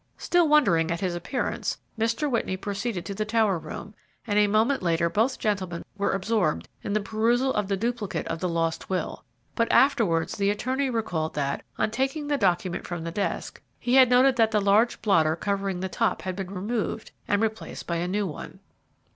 Still wondering at his appearance, Mr. Whitney proceeded to the tower room, and a moment later both gentlemen were absorbed in the perusal of the duplicate of the lost will; but afterwards the attorney recalled that, on taking the document from the desk, he had noticed that the large blotter covering the top had been removed and replaced by a new one.